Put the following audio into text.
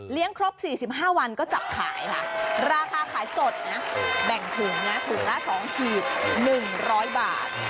เลี้ยงครบสี่สิบห้าวันก็จับขายค่ะราคาขายสดนะแบ่งถุงนะถุงละสองขีดหนึ่งร้อยบาท